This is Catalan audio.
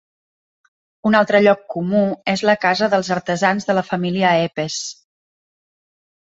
Un altre lloc comú és la casa dels artesans de la família Eppes.